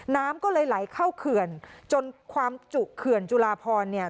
น้ำก็เลยไหลเข้าเขื่อนจนความจุเขื่อนจุลาพรเนี่ย